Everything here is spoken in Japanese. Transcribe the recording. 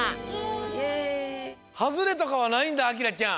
ハズレとかはないんだあきらちゃん。